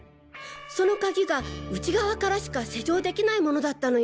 その鍵が内側からしか施錠できないモノだったのよ。